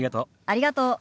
ありがとう。